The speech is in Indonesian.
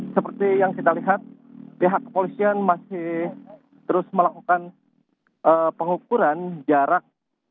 seperti yang kita lihat pihak kepolisian masih terus melakukan pengukuran jarak